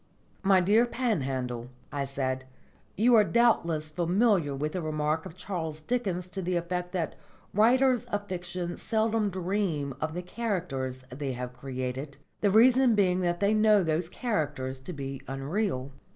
"My dear Panhandle," I said, "you are doubtless familiar with the remark of Charles Dickens to the effect that writers of fiction seldom dream of the characters they have created, the reason being that they know those characters to be unreal."